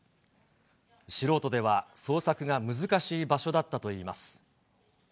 素人では捜索が難しい場所だったといいます。